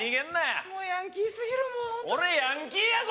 もうヤンキーすぎる俺ヤンキーやぞ！